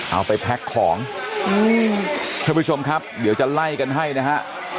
เอาไปแพ็คของท่านผู้ชมครับเดี๋ยวจะไล่กันให้นะฮะ